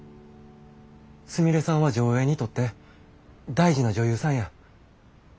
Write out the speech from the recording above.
すみれさんは条映にとって大事な女優さんや。